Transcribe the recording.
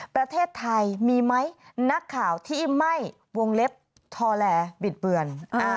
ประเทศไทยมีไหมนักข่าวที่ไม่วงเล็บทอแลบิดเบือน